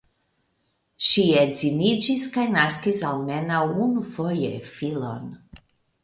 Ŝi edziniĝis kaj naskis almenaŭ unufoje filon.